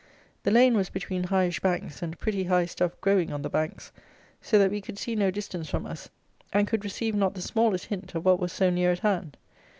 The lane was between highish banks and pretty high stuff growing on the banks, so that we could see no distance from us, and could receive not the smallest hint of what was so near at hand.